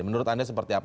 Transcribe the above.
menurut anda seperti apa